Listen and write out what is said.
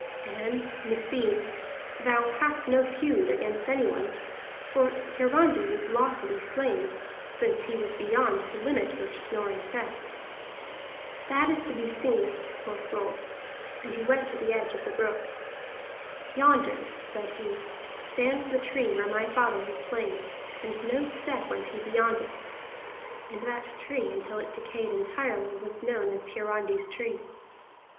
And meseems thou hast no feud against anyone; for Hiarandi was lawfully slain, since he was beyond the limit which Snorri set." "That is to be seen," quoth Rolf, and he went to the edge of the brook. "Yonder," said he, "stands the tree where my father was slain, and no step went he beyond it. [And that tree, until it decayed entirely, was known as Hiarandi's tree.